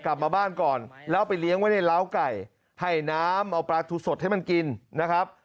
กลับมาบ้านก่อนแล้วไปเลี้ยงไว้ในร้าวไก่ให้น้ำเอาปลาทูสดให้มันกินนะครับ